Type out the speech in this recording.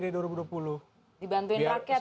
dibantuin rakyat gitu misalnya